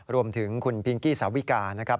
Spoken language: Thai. รวมถึงคุณพิงกี้สาวิกานะครับ